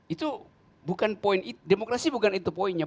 itu bukan poin demokrasi bukan itu poinnya